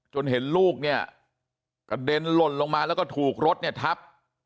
เห็นลูกเนี่ยกระเด็นหล่นลงมาแล้วก็ถูกรถเนี่ยทับ